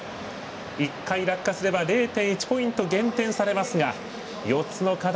１回落下すれば０．１ポイント減点されますが４つの課題